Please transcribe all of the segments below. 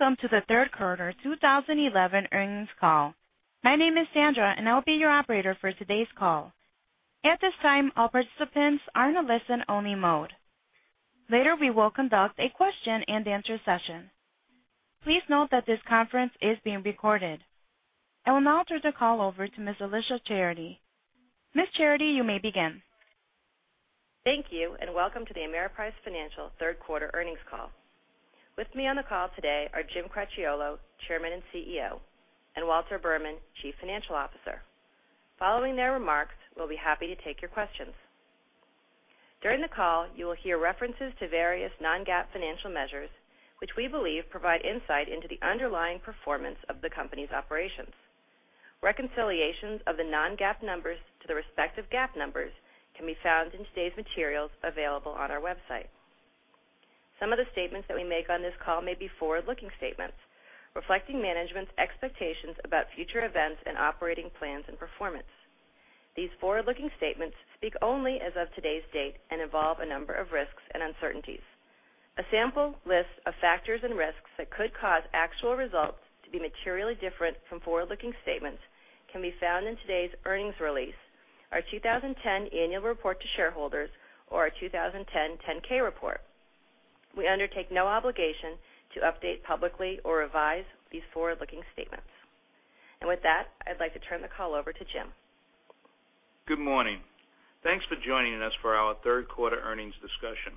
Welcome to the third quarter 2011 earnings call. My name is Sandra, and I'll be your operator for today's call. At this time, all participants are in a listen-only mode. Later, we will conduct a question-and-answer session. Please note that this conference is being recorded. I will now turn the call over to Ms. Alicia Charity. Ms. Charity, you may begin. Thank you, and welcome to the Ameriprise Financial third quarter earnings call. With me on the call today are Jim Cracchiolo, Chairman and CEO; and Walter Berman, Chief Financial Officer. Following their remarks, we'll be happy to take your questions. During the call, you will hear references to various non-GAAP financial measures, which we believe provide insight into the underlying performance of the company's operations. Reconciliations of the non-GAAP numbers to the respective GAAP numbers can be found in today's materials available on our website. Some of the statements that we make on this call may be forward-looking statements reflecting management's expectations about future events and operating plans and performance. These forward-looking statements speak only as of today's date and involve a number of risks and uncertainties. A sample list of factors and risks that could cause actual results to be materially different from forward-looking statements can be found in today's earnings release, our 2010 annual report to shareholders, or our 2010 10-K report. We undertake no obligation to update publicly or revise these forward-looking statements. With that, I'd like to turn the call over to Jim. Good morning. Thanks for joining us for our third quarter earnings discussion.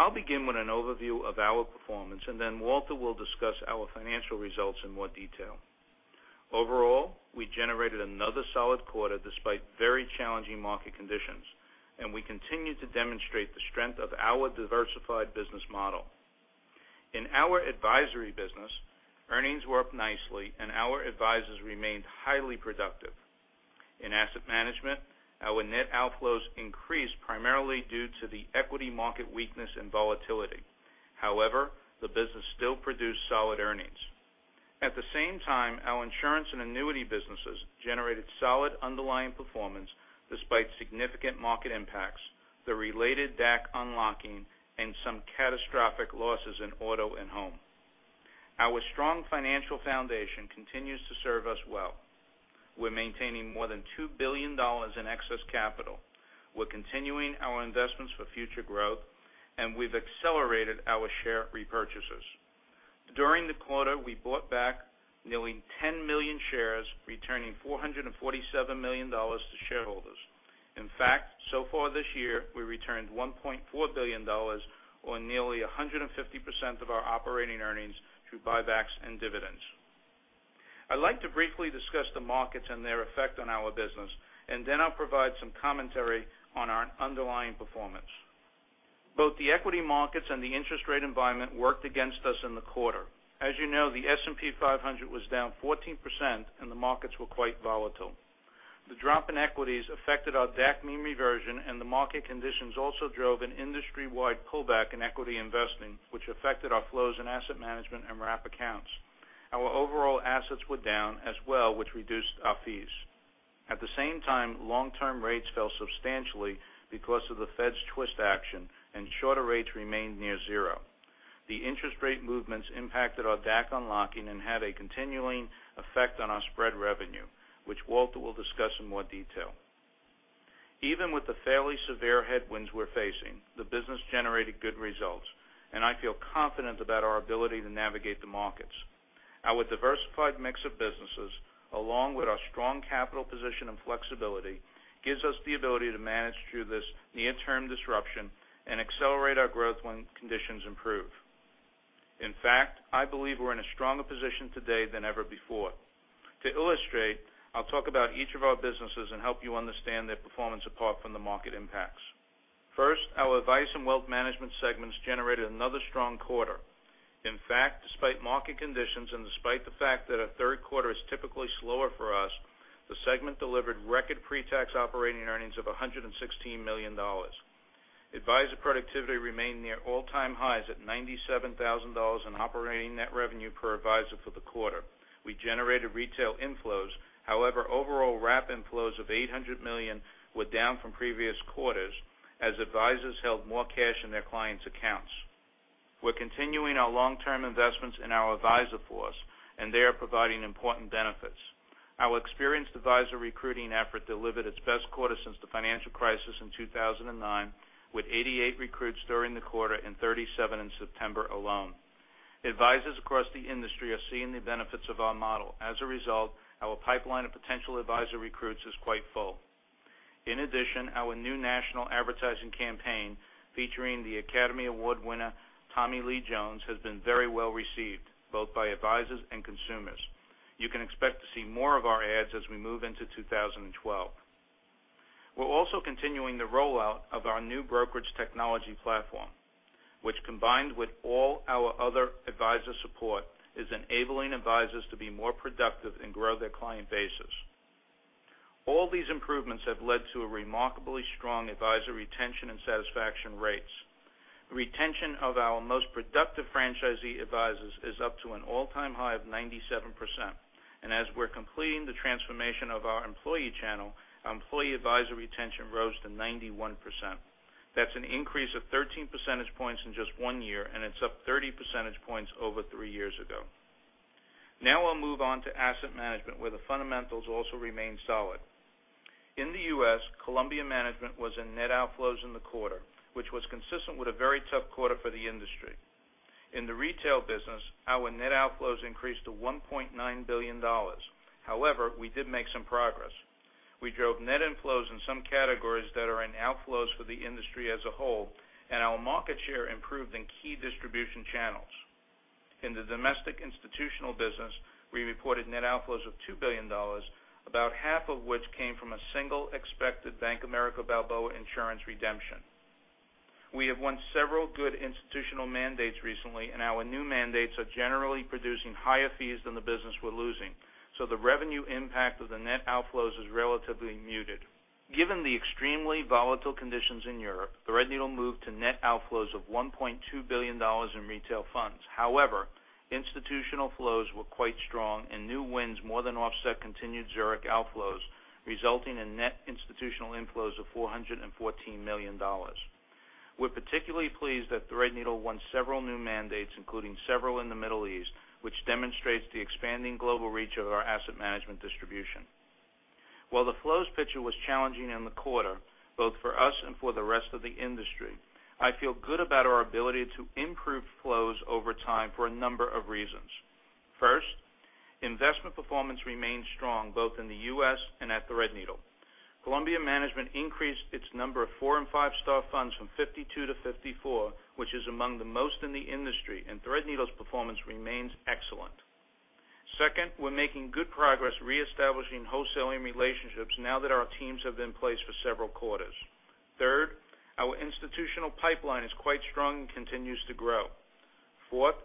I'll begin with an overview of our performance, and then Walter will discuss our financial results in more detail. Overall, we generated another solid quarter despite very challenging market conditions, and we continue to demonstrate the strength of our diversified business model. In our advisory business, earnings were up nicely, and our advisors remained highly productive. In asset management, our net outflows increased primarily due to the equity market weakness and volatility. The business still produced solid earnings. At the same time, our insurance and annuity businesses generated solid underlying performance despite significant market impacts, the related DAC unlocking, and some catastrophic losses in auto and home. Our strong financial foundation continues to serve us well. We're maintaining more than $2 billion in excess capital. We're continuing our investments for future growth. We've accelerated our share repurchases. During the quarter, we bought back nearly 10 million shares, returning $447 million to shareholders. In fact, so far this year, we returned $1.4 billion, or nearly 150% of our operating earnings, through buybacks and dividends. I'd like to briefly discuss the markets and their effect on our business. Then I'll provide some commentary on our underlying performance. Both the equity markets and the interest rate environment worked against us in the quarter. As you know, the S&P 500 was down 14%. The markets were quite volatile. The drop in equities affected our DAC mean reversion. The market conditions also drove an industry-wide pullback in equity investing, which affected our flows in asset management and wrap accounts. Our overall assets were down as well, which reduced our fees. At the same time, long-term rates fell substantially because of the Fed's twist action. Shorter rates remained near zero. The interest rate movements impacted our DAC unlocking. Had a continuing effect on our spread revenue, which Walter will discuss in more detail. Even with the fairly severe headwinds we're facing, the business generated good results. I feel confident about our ability to navigate the markets. Our diversified mix of businesses, along with our strong capital position and flexibility, gives us the ability to manage through this near-term disruption and accelerate our growth when conditions improve. In fact, I believe we're in a stronger position today than ever before. To illustrate, I'll talk about each of our businesses and help you understand their performance apart from the market impacts. First, our advice and wealth management segments generated another strong quarter. In fact, despite market conditions and despite the fact that our third quarter is typically slower for us, the segment delivered record pretax operating earnings of $116 million. Advisor productivity remained near all-time highs at $97,000 in operating net revenue per advisor for the quarter. We generated retail inflows. However, overall wrap inflows of $800 million were down from previous quarters as advisors held more cash in their clients' accounts. We're continuing our long-term investments in our advisor force. They are providing important benefits. Our experienced advisor recruiting effort delivered its best quarter since the financial crisis in 2009 with 88 recruits during the quarter and 37 in September alone. Advisors across the industry are seeing the benefits of our model. As a result, our pipeline of potential advisor recruits is quite full. In addition, our new national advertising campaign featuring the Academy Award winner Tommy Lee Jones has been very well received both by advisors and consumers. You can expect to see more of our ads as we move into 2012. We're also continuing the rollout of our new brokerage technology platform, which combined with all our other advisor support, is enabling advisors to be more productive and grow their client bases. All these improvements have led to remarkably strong advisor retention and satisfaction rates. Retention of our most productive franchisee advisors is up to an all-time high of 97%. As we're completing the transformation of our employee channel, our employee advisory retention rose to 91%. That's an increase of 13 percentage points in just one year, and it's up 30 percentage points over three years ago. Now I'll move on to asset management, where the fundamentals also remain solid. In the U.S., Columbia Management was in net outflows in the quarter, which was consistent with a very tough quarter for the industry. We did make some progress. We drove net inflows in some categories that are in outflows for the industry as a whole, and our market share improved in key distribution channels. In the domestic institutional business, we reported net outflows of $2 billion, about half of which came from a single expected Bank of America Balboa insurance redemption. We have won several good institutional mandates recently, and our new mandates are generally producing higher fees than the business we're losing, so the revenue impact of the net outflows is relatively muted. Given the extremely volatile conditions in Europe, Threadneedle moved to net outflows of $1.2 billion in retail funds. Institutional flows were quite strong and new wins more than offset continued Zurich outflows, resulting in net institutional inflows of $414 million. We're particularly pleased that Threadneedle won several new mandates, including several in the Middle East, which demonstrates the expanding global reach of our asset management distribution. While the flows picture was challenging in the quarter, both for us and for the rest of the industry, I feel good about our ability to improve flows over time for a number of reasons. First, investment performance remains strong both in the U.S. and at Threadneedle. Columbia Management increased its number of four and five-star funds from 52 to 54, which is among the most in the industry, and Threadneedle's performance remains excellent. Second, we're making good progress reestablishing wholesaling relationships now that our teams have been in place for several quarters. Third, our institutional pipeline is quite strong and continues to grow. Fourth,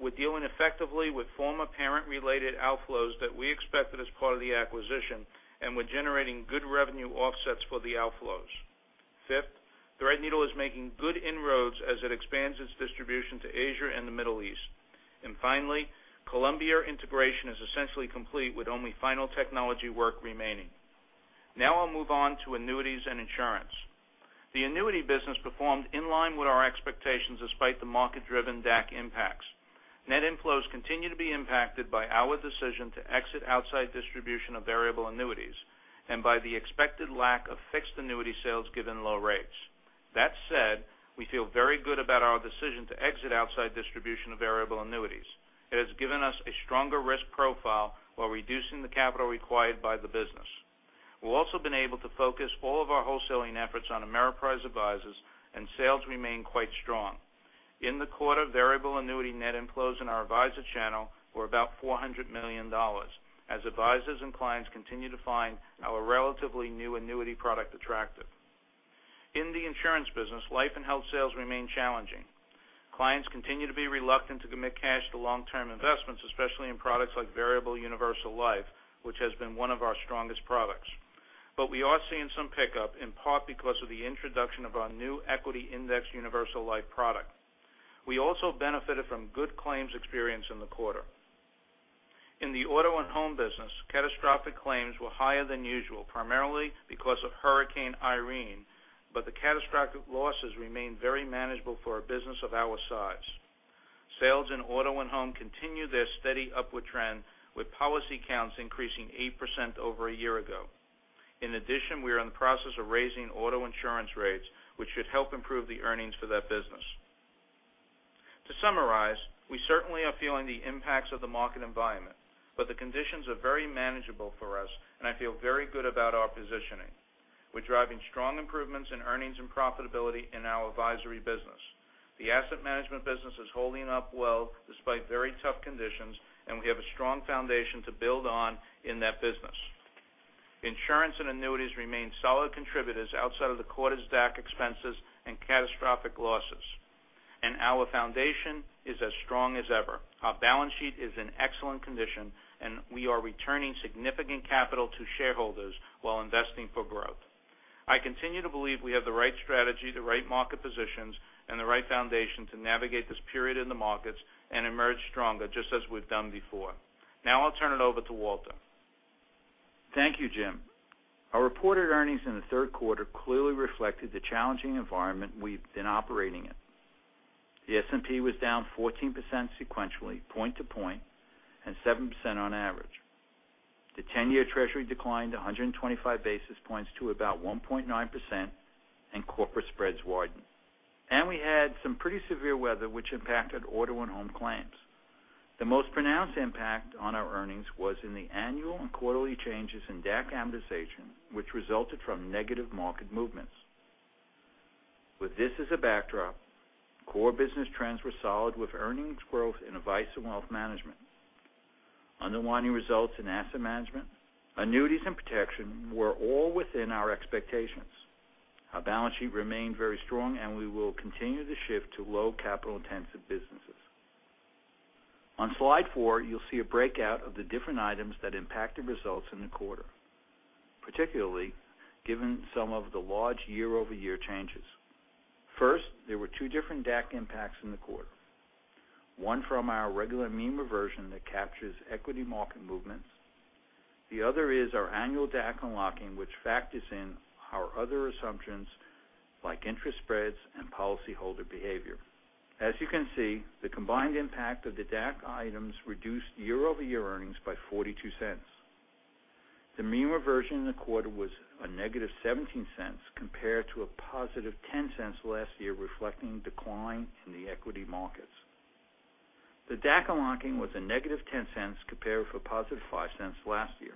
we're dealing effectively with former parent-related outflows that we expected as part of the acquisition, and we're generating good revenue offsets for the outflows. Fifth, Threadneedle is making good inroads as it expands its distribution to Asia and the Middle East. Finally, Columbia integration is essentially complete with only final technology work remaining. Now I'll move on to annuities and insurance. The annuity business performed in line with our expectations despite the market-driven DAC impacts. Net inflows continue to be impacted by our decision to exit outside distribution of variable annuities and by the expected lack of fixed annuity sales given low rates. That said, we feel very good about our decision to exit outside distribution of variable annuities. It has given us a stronger risk profile while reducing the capital required by the business. We've also been able to focus all of our wholesaling efforts on Ameriprise advisors, and sales remain quite strong. In the quarter, variable annuity net inflows in our advisor channel were about $400 million as advisors and clients continue to find our relatively new annuity product attractive. In the insurance business, life and health sales remain challenging. Clients continue to be reluctant to commit cash to long-term investments, especially in products like variable universal life, which has been one of our strongest products. We are seeing some pickup, in part because of the introduction of our new equity index universal life product. We also benefited from good claims experience in the quarter. In the auto and home business, catastrophic claims were higher than usual, primarily because of Hurricane Irene, but the catastrophic losses remain very manageable for a business of our size. Sales in auto and home continue their steady upward trend, with policy counts increasing 8% over a year ago. In addition, we are in the process of raising auto insurance rates, which should help improve the earnings for that business. To summarize, we certainly are feeling the impacts of the market environment, but the conditions are very manageable for us, and I feel very good about our positioning. We're driving strong improvements in earnings and profitability in our advisory business. The asset management business is holding up well despite very tough conditions, and we have a strong foundation to build on in that business. Insurance and annuities remain solid contributors outside of the quarter's DAC expenses and catastrophic losses. Our foundation is as strong as ever. Our balance sheet is in excellent condition, and we are returning significant capital to shareholders while investing for growth. I continue to believe we have the right strategy, the right market positions, and the right foundation to navigate this period in the markets and emerge stronger, just as we've done before. Now I'll turn it over to Walter. Thank you, Jim. Our reported earnings in the third quarter clearly reflected the challenging environment we've been operating in. The S&P was down 14% sequentially point to point, and 7% on average. The 10-year Treasury declined 125 basis points to about 1.9%, and corporate spreads widened. We had some pretty severe weather, which impacted auto and home claims. The most pronounced impact on our earnings was in the annual and quarterly changes in DAC amortization, which resulted from negative market movements. With this as a backdrop, core business trends were solid with earnings growth in advice and wealth management. Underlying results in asset management, annuities, and protection were all within our expectations. Our balance sheet remained very strong, and we will continue to shift to low capital-intensive businesses. On slide four, you'll see a breakout of the different items that impacted results in the quarter. Particularly given some of the large year-over-year changes. First, there were two different DAC impacts in the quarter. One from our regular mean reversion that captures equity market movements. The other is our annual DAC unlocking, which factors in our other assumptions like interest spreads and policy holder behavior. As you can see, the combined impact of the DAC items reduced year-over-year earnings by $0.42. The mean reversion in the quarter was a $-0.17 compared to a $+0.10 last year, reflecting a decline in the equity markets. The DAC unlocking was a $-0.10 compared with a $+0.05 last year.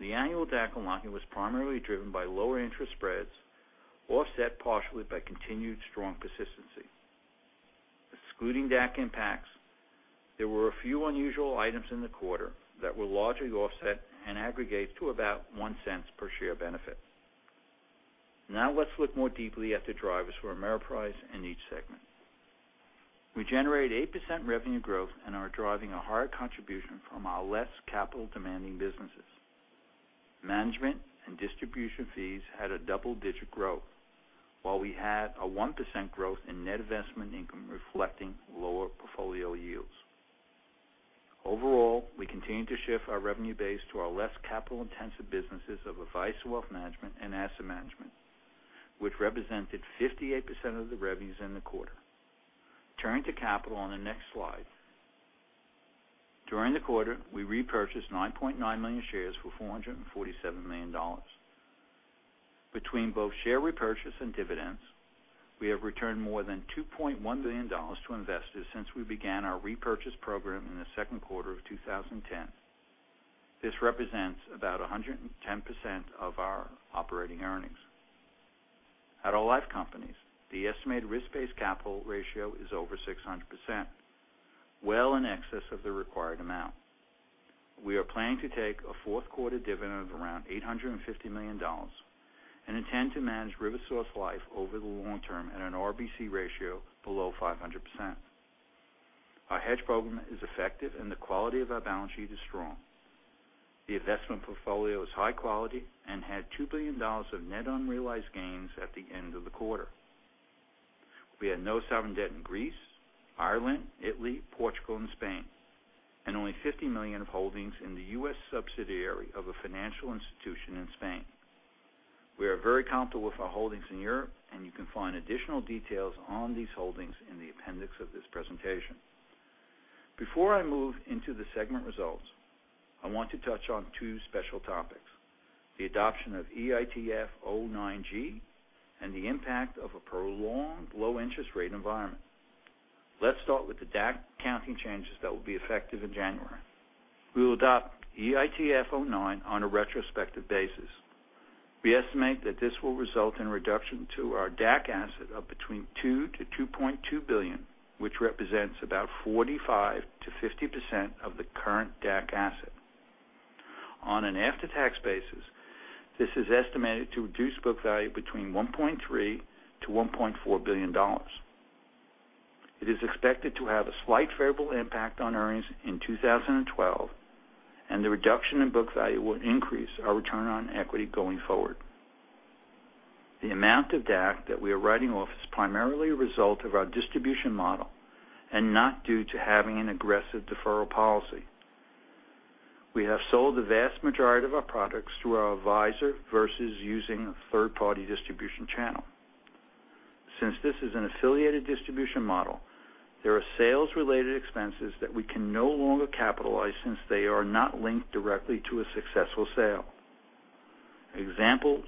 The annual DAC unlocking was primarily driven by lower interest spreads, offset partially by continued strong persistency. Excluding DAC impacts, there were a few unusual items in the quarter that were largely offset in aggregate to about $0.01 per share benefit. Now let's look more deeply at the drivers for Ameriprise in each segment. We generate 8% revenue growth and are driving a higher contribution from our less capital-demanding businesses. Management and distribution fees had a double-digit growth. While we had a 1% growth in net investment income reflecting lower portfolio yields. Overall, we continue to shift our revenue base to our less capital-intensive businesses of advisor wealth management and asset management, which represented 58% of the revenues in the quarter. Turning to capital on the next slide. During the quarter, we repurchased 9.9 million shares for $447 million. Between both share repurchase and dividends, we have returned more than $2.1 billion to investors since we began our repurchase program in the second quarter of 2010. This represents about 110% of our operating earnings. At our life companies, the estimated risk-based capital ratio is over 600%, well in excess of the required amount. We are planning to take a fourth quarter dividend of around $850 million and intend to manage RiverSource Life over the long term at an RBC ratio below 500%. Our hedge program is effective, and the quality of our balance sheet is strong. The investment portfolio is high quality and had $2 billion of net unrealized gains at the end of the quarter. We had no sovereign debt in Greece, Ireland, Italy, Portugal, and Spain, and only $50 million of holdings in the U.S. subsidiary of a financial institution in Spain. We are very comfortable with our holdings in Europe, and you can find additional details on these holdings in the appendix of this presentation. Before I move into the segment results, I want to touch on two special topics, the adoption of EITF 09-G and the impact of a prolonged low interest rate environment. Let's start with the DAC accounting changes that will be effective in January. We will adopt EITF 09 on a retrospective basis. We estimate that this will result in a reduction to our DAC asset of between two to $2.2 billion, which represents about 45%-50% of the current DAC asset. On an after-tax basis, this is estimated to reduce book value between $1.3 billion-$1.4 billion. It is expected to have a slight favorable impact on earnings in 2012, and the reduction in book value will increase our return on equity going forward. The amount of DAC that we are writing off is primarily a result of our distribution model and not due to having an aggressive deferral policy. We have sold the vast majority of our products through our advisor versus using a third-party distribution channel. Since this is an affiliated distribution model, there are sales-related expenses that we can no longer capitalize since they are not linked directly to a successful sale. Examples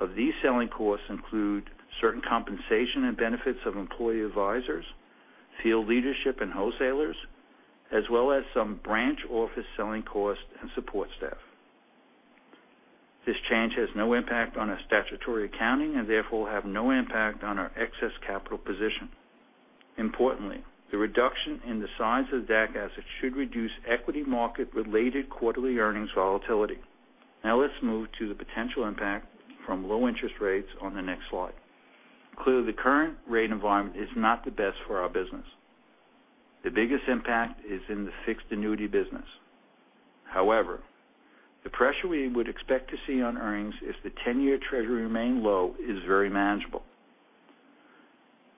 of these selling costs include certain compensation and benefits of employee advisors, field leadership, and wholesalers, as well as some branch office selling costs and support staff. This change has no impact on our statutory accounting and therefore will have no impact on our excess capital position. Importantly, the reduction in the size of the DAC asset should reduce equity market-related quarterly earnings volatility. Let's move to the potential impact from low interest rates on the next slide. Clearly, the current rate environment is not the best for our business. The biggest impact is in the fixed annuity business. However, the pressure we would expect to see on earnings if the 10-year Treasury remain low is very manageable.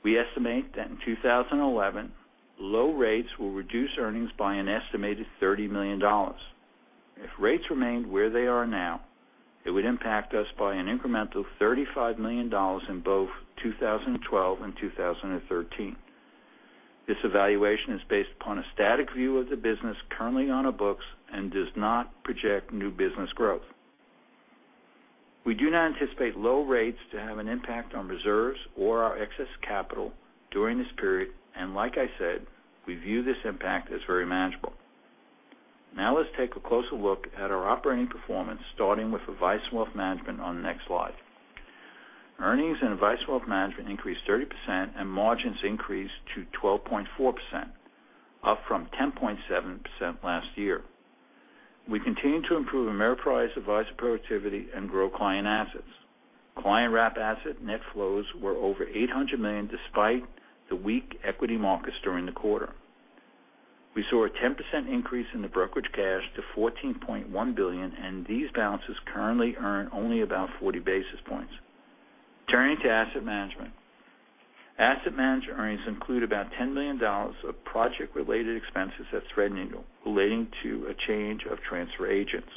We estimate that in 2011, low rates will reduce earnings by an estimated $30 million. If rates remained where they are now, it would impact us by an incremental $35 million in both 2012 and 2013. This evaluation is based upon a static view of the business currently on our books and does not project new business growth. We do not anticipate low rates to have an impact on reserves or our excess capital during this period. Like I said, we view this impact as very manageable. Let's take a closer look at our operating performance, starting with Advisor Wealth Management on the next slide. Earnings in Advisor Wealth Management increased 30% and margins increased to 12.4%, up from 10.7% last year. We continue to improve Ameriprise advisor productivity and grow client assets. Client wrap asset net flows were over $800 million, despite the weak equity markets during the quarter. We saw a 10% increase in the brokerage cash to $14.1 billion, and these balances currently earn only about 40 basis points. Turning to asset management. Asset management earnings include about $10 million of project-related expenses at Threadneedle relating to a change of transfer agents.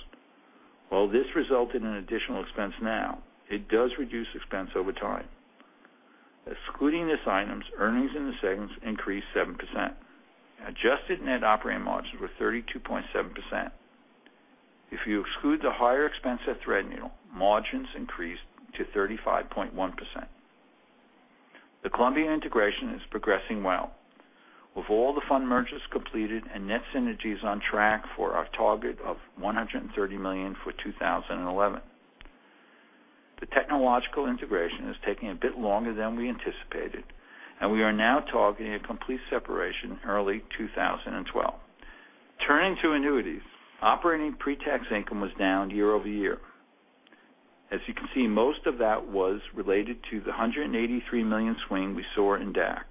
While this resulted in additional expense now, it does reduce expense over time. Excluding these items, earnings in the segments increased 7%. Adjusted net operating margins were 32.7%. If you exclude the higher expense at Threadneedle, margins increased to 35.1%. The Columbia integration is progressing well, with all the fund mergers completed and net synergies on track for our target of $130 million for 2011. The technological integration is taking a bit longer than we anticipated, and we are now targeting a complete separation early 2012. Turning to annuities. Operating pre-tax income was down year-over-year. As you can see, most of that was related to the $183 million swing we saw in DAC.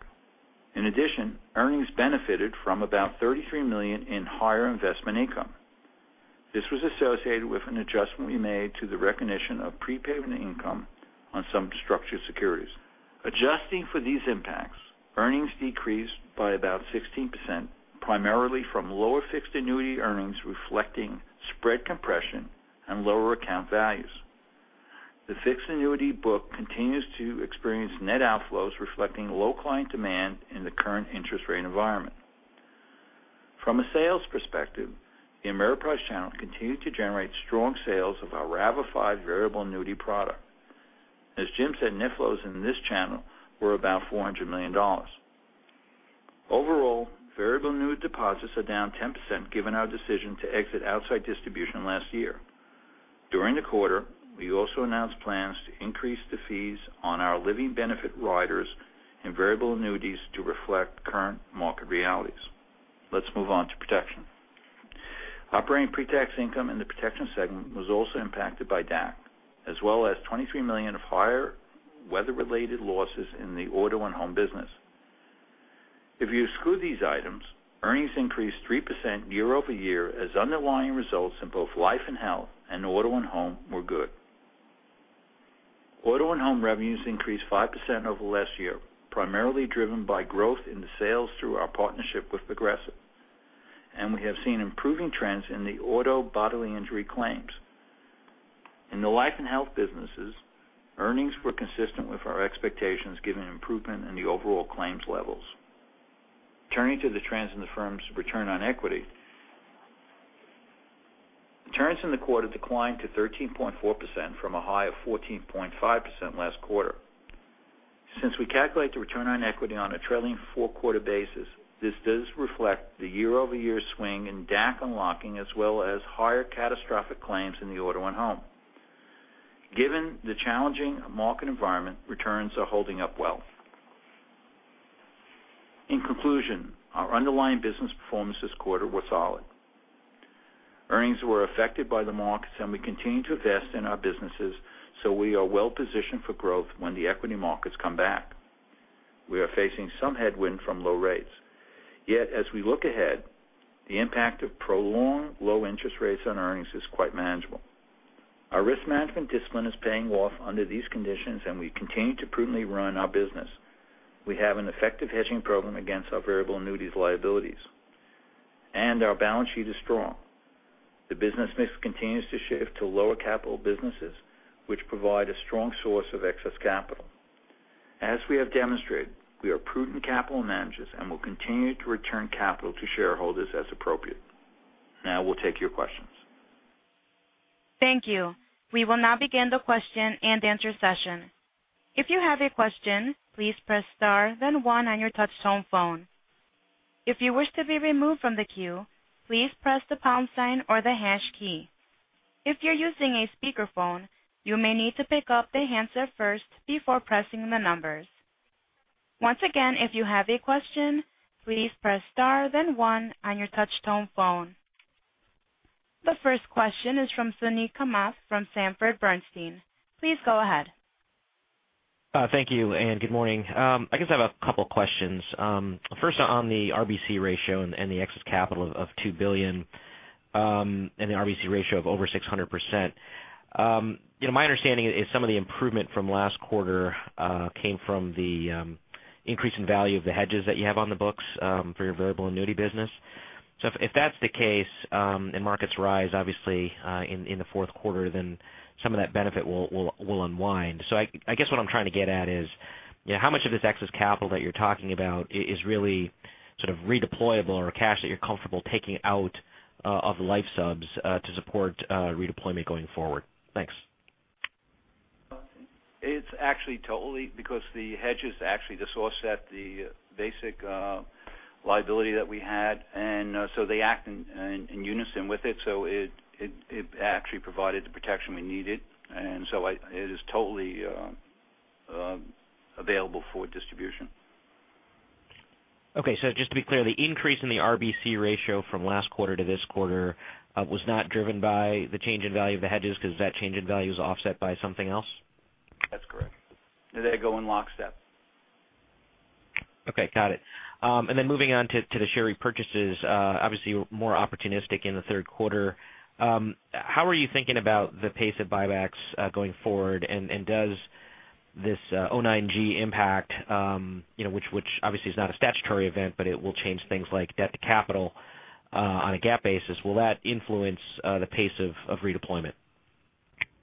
In addition, earnings benefited from about $33 million in higher investment income. This was associated with an adjustment we made to the recognition of prepayment income on some structured securities. Adjusting for these impacts, earnings decreased by about 16%, primarily from lower fixed annuity earnings, reflecting spread compression and lower account values. The fixed annuity book continues to experience net outflows, reflecting low client demand in the current interest rate environment. From a sales perspective, the Ameriprise channel continued to generate strong sales of our RAVA variable annuity product. As Jim said, net flows in this channel were about $400 million. Overall, variable annuity deposits are down 10% given our decision to exit outside distribution last year. During the quarter, we also announced plans to increase the fees on our living benefit riders and variable annuities to reflect current market realities. Let's move on to protection. Operating pre-tax income in the protection segment was also impacted by DAC, as well as $23 million of higher weather-related losses in the auto and home business. If you exclude these items, earnings increased 3% year-over-year as underlying results in both life and health and auto and home were good. Auto and home revenues increased 5% over last year, primarily driven by growth in the sales through our partnership with Progressive. We have seen improving trends in the auto bodily injury claims. In the life and health businesses, earnings were consistent with our expectations given improvement in the overall claims levels. Turning to the trends in the firm's return on equity. Returns in the quarter declined to 13.4% from a high of 14.5% last quarter. Since we calculate the return on equity on a trailing four-quarter basis, this does reflect the year-over-year swing in DAC unlocking as well as higher catastrophic claims in the auto and home. Given the challenging market environment, returns are holding up well. In conclusion, our underlying business performance this quarter was solid. Earnings were affected by the markets, we continue to invest in our businesses, we are well positioned for growth when the equity markets come back. We are facing some headwind from low rates. As we look ahead, the impact of prolonged low interest rates on earnings is quite manageable. Our risk management discipline is paying off under these conditions, we continue to prudently run our business. We have an effective hedging program against our variable annuities liabilities, our balance sheet is strong. The business mix continues to shift to lower capital businesses, which provide a strong source of excess capital. As we have demonstrated, we are prudent capital managers, will continue to return capital to shareholders as appropriate. We'll take your questions. Thank you. We will now begin the question-and-answer session. If you have a question, please press star then one on your touch tone phone. If you wish to be removed from the queue, please press the pound sign or the hash key. If you're using a speakerphone, you may need to pick up the handset first before pressing the numbers. Once again, if you have a question, please press star then one on your touch tone phone. The first question is from Suneet Kamath from Sanford Bernstein. Please go ahead. Thank you, good morning. I guess I have a couple questions. First, on the RBC ratio and the excess capital of $2 billion, and the RBC ratio of over 600%. My understanding is some of the improvement from last quarter came from the increase in value of the hedges that you have on the books for your variable annuity business. If that's the case, and markets rise obviously, in the fourth quarter, some of that benefit will unwind. I guess what I'm trying to get at is how much of this excess capital that you're talking about is really sort of redeployable or cash that you're comfortable taking out of life subs to support redeployment going forward? Thanks. It's actually totally because the hedges actually just offset the basic liability that we had, they act in unison with it. It actually provided the protection we needed, it is totally available for distribution. Just to be clear, the increase in the RBC ratio from last quarter to this quarter was not driven by the change in value of the hedges because that change in value is offset by something else? That's correct. They go in lockstep. Okay. Got it. Moving on to the share repurchases, obviously more opportunistic in the third quarter. How are you thinking about the pace of buybacks going forward? Does this 09-G impact which obviously is not a statutory event, but it will change things like debt to capital, on a GAAP basis. Will that influence the pace of redeployment?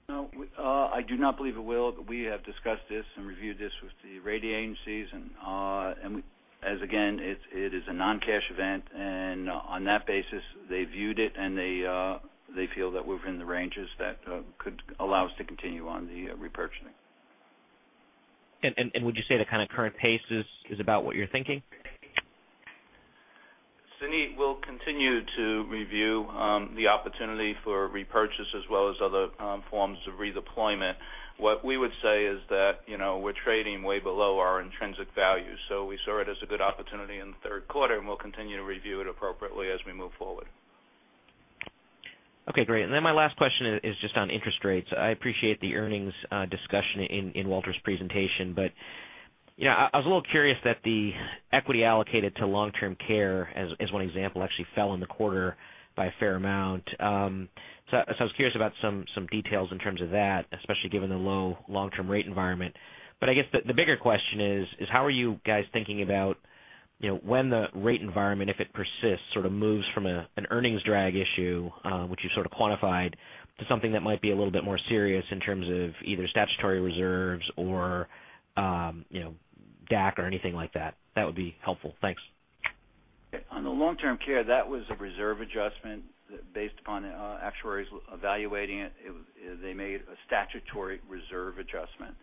No, I do not believe it will. We have discussed this and reviewed this with the rating agencies and as again, it is a non-cash event, and on that basis, they viewed it, and they feel that we're in the ranges that could allow us to continue on the repurchasing. Would you say the kind of current pace is about what you're thinking? Suneet, we'll continue to review the opportunity for repurchase as well as other forms of redeployment. What we would say is that we're trading way below our intrinsic value, we saw it as a good opportunity in the third quarter, and we'll continue to review it appropriately as we move forward. Okay, great. My last question is just on interest rates. I appreciate the earnings discussion in Walter's presentation, I was a little curious that the equity allocated to long-term care as one example, actually fell in the quarter by a fair amount. I was curious about some details in terms of that, especially given the low long-term rate environment. I guess the bigger question is how are you guys thinking about when the rate environment, if it persists, sort of moves from an earnings drag issue, which you sort of quantified to something that might be a little bit more serious in terms of either statutory reserves or DAC or anything like that. That would be helpful. Thanks. On the long-term care, that was a reserve adjustment based upon actuaries evaluating it. They made a statutory reserve adjustment,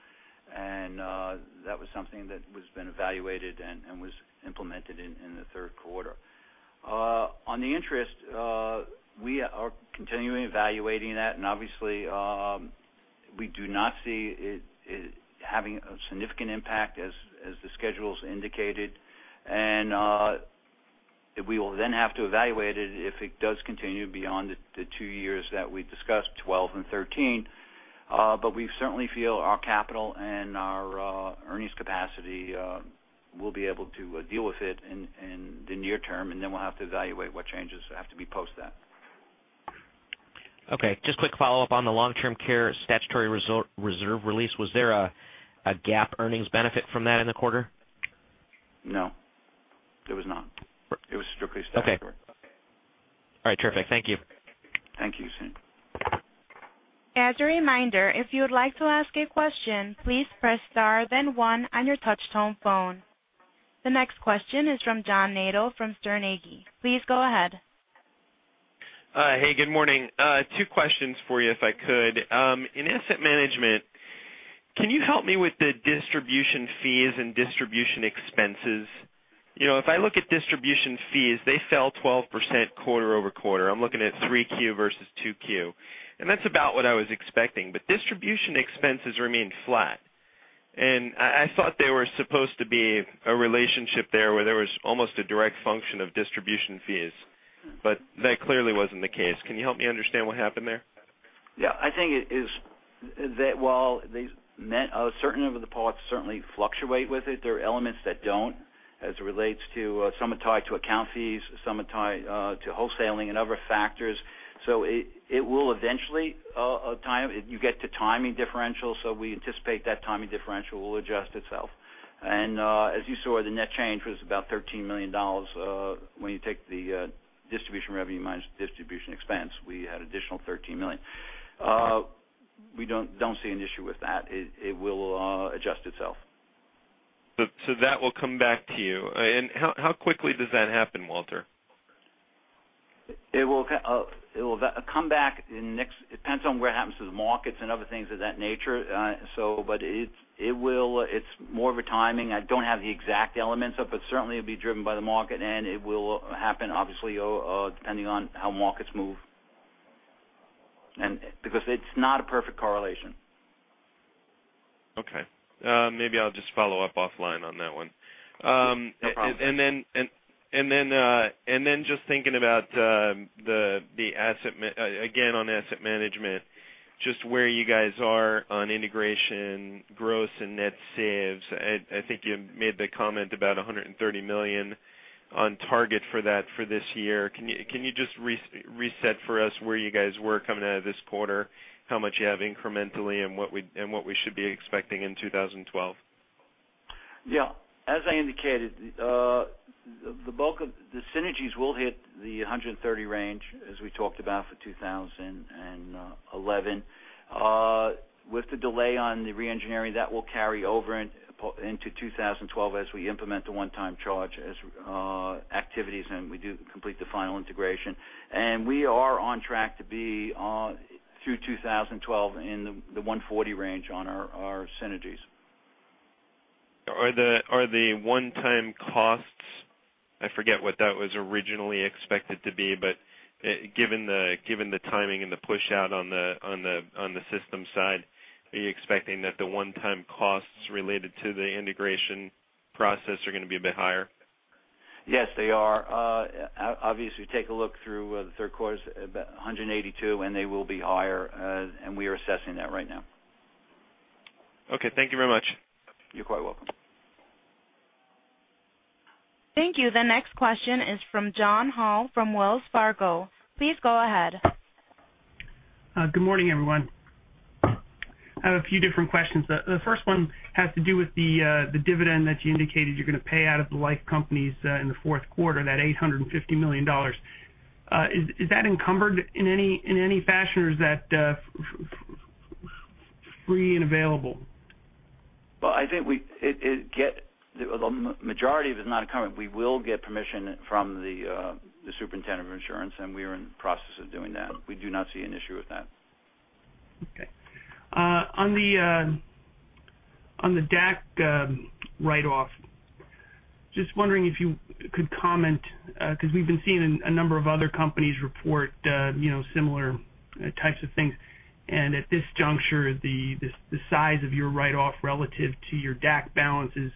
and that was something that has been evaluated and was implemented in the third quarter. On the interest, we are continually evaluating that, and obviously, we do not see it having a significant impact as the schedules indicated. We will then have to evaluate it if it does continue beyond the two years that we discussed, 2012 and 2013. We certainly feel our capital and our earnings capacity will be able to deal with it in the near term, and then we'll have to evaluate what changes have to be post that. Okay. Just quick follow-up on the long-term care statutory reserve release. Was there a GAAP earnings benefit from that in the quarter? No, there was not. It was strictly statutory. Okay. All right, terrific. Thank you. Thank you, Suneet. As a reminder, if you would like to ask a question, please press star, then one on your touch-tone phone. The next question is from John Nadel from Sterne Agee. Please go ahead. Hey, good morning. Two questions for you, if I could. In asset management, can you help me with the distribution fees and distribution expenses? If I look at distribution fees, they fell 12% quarter-over-quarter. I'm looking at 3Q versus 2Q, and that's about what I was expecting. Distribution expenses remain flat. I thought there was supposed to be a relationship there where there was almost a direct function of distribution fees, but that clearly wasn't the case. Can you help me understand what happened there? I think it is that while certain of the parts certainly fluctuate with it, there are elements that don't as it relates to, some are tied to account fees, some are tied to wholesaling and other factors. You get to timing differential, we anticipate that timing differential will adjust itself. As you saw, the net change was about $13 million. When you take the distribution revenue minus distribution expense, we had additional $13 million. We don't see an issue with that. It will adjust itself. That will come back to you. How quickly does that happen, Walter? It will come back in. It depends on what happens to the markets and other things of that nature. It's more of a timing. I don't have the exact elements, but certainly, it'll be driven by the market, and it will happen obviously, depending on how markets move. It's not a perfect correlation. Okay. Maybe I'll just follow up offline on that one. No problem. Just thinking about, again, on asset management, just where you guys are on integration, gross and net saves. I think you made the comment about $130 million on target for that for this year. Can you just reset for us where you guys were coming out of this quarter, how much you have incrementally and what we should be expecting in 2012? Yeah. As I indicated, the synergies will hit the $130 range, as we talked about for 2011. With the delay on the re-engineering, that will carry over into 2012 as we implement the one-time charge as activities, and we do complete the final integration. We are on track to be through 2012 in the $140 range on our synergies. Are the one-time costs, I forget what that was originally expected to be, given the timing and the pushout on the system side, are you expecting that the one-time costs related to the integration process are going to be a bit higher? Yes, they are. Obviously, take a look through the third quarter, about $182, they will be higher, we are assessing that right now. Okay, thank you very much. You're quite welcome. Thank you. The next question is from John Hall from Wells Fargo. Please go ahead. Good morning, everyone. I have a few different questions. The first one has to do with the dividend that you indicated you're going to pay out of the life companies in the fourth quarter, that $850 million. Is that encumbered in any fashion, or is that free and available? Well, I think the majority of it is not encumbered. We will get permission from the Superintendent of Insurance, we are in the process of doing that. We do not see an issue with that. Okay. On the DAC write-off, just wondering if you could comment because we've been seeing a number of other companies report similar types of things. At this juncture, the size of your write-off relative to your DAC balance is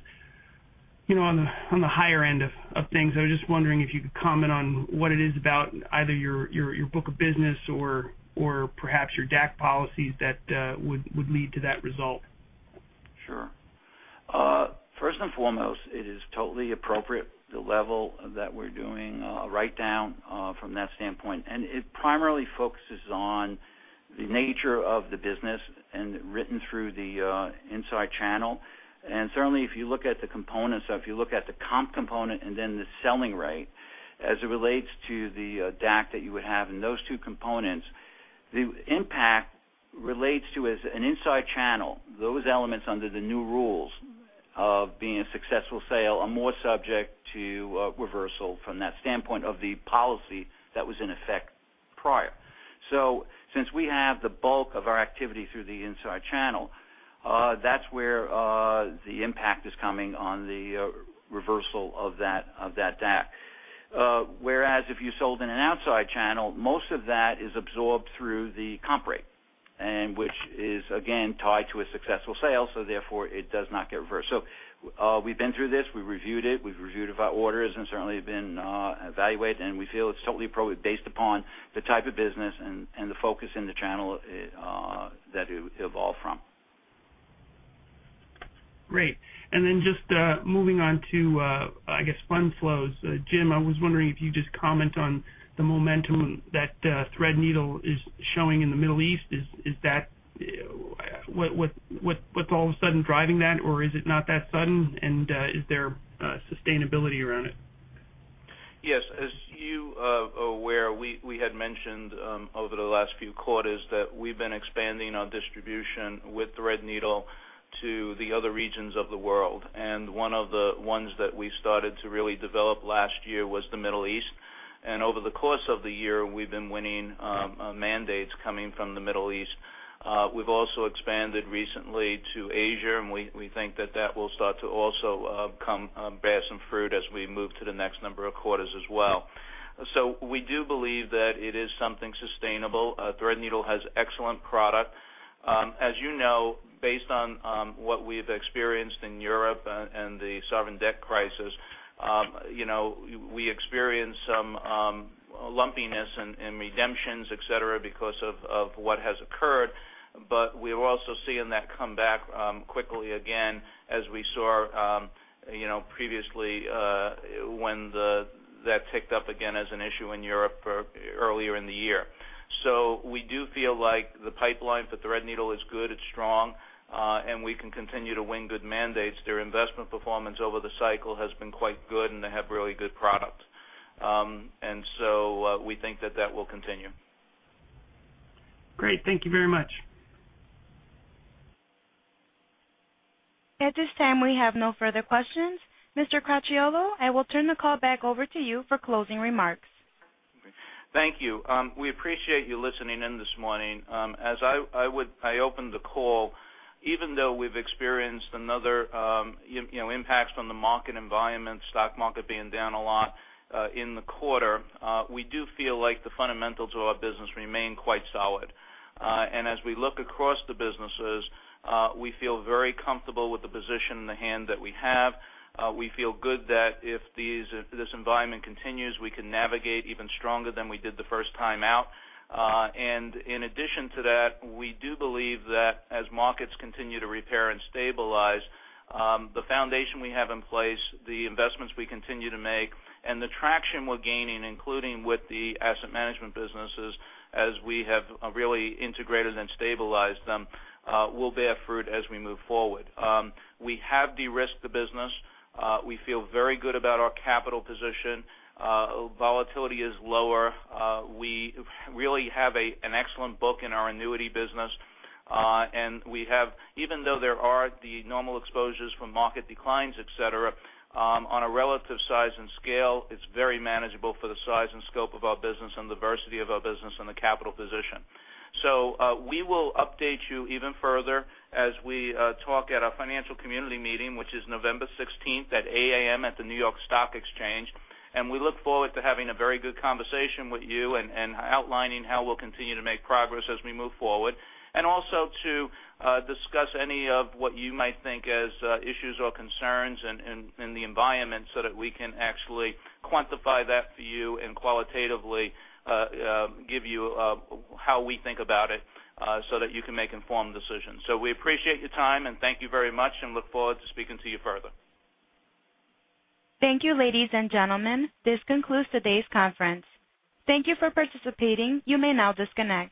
on the higher end of things. I was just wondering if you could comment on what it is about either your book of business or perhaps your DAC policies that would lead to that result. Sure. First and foremost, it is totally appropriate, the level that we're doing a write-down from that standpoint. It primarily focuses on the nature of the business and written through the inside channel. Certainly, if you look at the components, if you look at the comp component and then the selling rate as it relates to the DAC that you would have in those two components, the impact relates to as an inside channel. Those elements under the new rules of being a successful sale are more subject to reversal from that standpoint of the policy that was in effect prior. Since we have the bulk of our activity through the inside channel, that's where the impact is coming on the reversal of that DAC. Whereas if you sold in an outside channel, most of that is absorbed through the comp rate, which is again tied to a successful sale, therefore it does not get reversed. We've been through this. We've reviewed it, we've reviewed it by audits, certainly have been evaluating, we feel it's totally appropriate based upon the type of business and the focus in the channel that it evolved from. Great. Just moving on to, I guess, fund flows. Jim, I was wondering if you'd just comment on the momentum that Threadneedle is showing in the Middle East. What's all of a sudden driving that, or is it not that sudden? Is there sustainability around it? Yes. As you are aware, we had mentioned over the last few quarters that we've been expanding our distribution with Threadneedle to the other regions of the world, one of the ones that we started to really develop last year was the Middle East. Over the course of the year, we've been winning mandates coming from the Middle East. We've also expanded recently to Asia, we think that that will start to also bear some fruit as we move to the next number of quarters as well. We do believe that it is something sustainable. Threadneedle has excellent product. As you know, based on what we've experienced in Europe and the sovereign debt crisis, we experienced some lumpiness in redemptions, etc, because of what has occurred. We're also seeing that come back quickly again, as we saw previously when that ticked up again as an issue in Europe earlier in the year. We do feel like the pipeline for Threadneedle is good, it's strong, we can continue to win good mandates. Their investment performance over the cycle has been quite good, they have really good products. We think that that will continue. Great. Thank you very much. At this time, we have no further questions. Mr. Cracchiolo, I will turn the call back over to you for closing remarks. Thank you. We appreciate you listening in this morning. As I opened the call, even though we've experienced another impact from the market environment, stock market being down a lot in the quarter, we do feel like the fundamentals of our business remain quite solid. As we look across the businesses, we feel very comfortable with the position in the hand that we have. We feel good that if this environment continues, we can navigate even stronger than we did the first time out. In addition to that, we do believe that as markets continue to repair and stabilize, the foundation we have in place, the investments we continue to make, and the traction we're gaining, including with the asset management businesses as we have really integrated and stabilized them, will bear fruit as we move forward. We have de-risked the business. We feel very good about our capital position. Volatility is lower. We really have an excellent book in our annuity business. Even though there are the normal exposures from market declines, et cetera, on a relative size and scale, it's very manageable for the size and scope of our business and the diversity of our business and the capital position. We will update you even further as we talk at our financial community meeting, which is November 16th at 8:00 A.M. at the New York Stock Exchange. We look forward to having a very good conversation with you and outlining how we'll continue to make progress as we move forward. Also to discuss any of what you might think as issues or concerns in the environment so that we can actually quantify that for you and qualitatively give you how we think about it so that you can make informed decisions. We appreciate your time and thank you very much, look forward to speaking to you further. Thank you, ladies and gentlemen. This concludes today's conference. Thank you for participating. You may now disconnect.